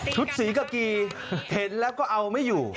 ศรีกากีเห็นแล้วก็เอาไม่อยู่